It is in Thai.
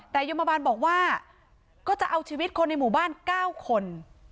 แต่ยมบาลบอกว่าก็จะเอาชีวิตคนในหมู่บ้าน๙คน